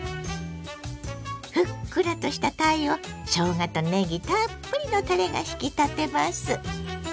ふっくらとしたたいをしょうがとねぎたっぷりのたれが引き立てます。